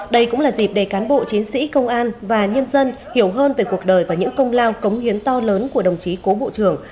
đây cũng là dịp để cán bộ chiến sĩ công an và nhân dân hiểu hơn về cuộc đời và những công lao cống hiến to lớn của đồng chí cố bộ trưởng